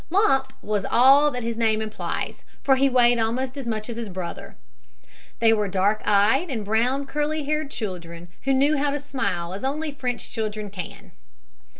"Lump" was all that his name implies, for he weighed almost as much as his brother. They were dark eyed and brown curly haired children, who knew how to smile as only French children can.